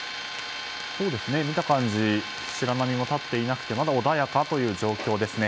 見た感じ白波も立っていなくてまだ穏やかという状況ですね。